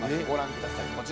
ご覧ください